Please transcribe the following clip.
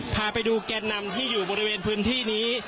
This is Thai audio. พาไปดูแกนนำที่อยู่บริเวณพื้นที่นี้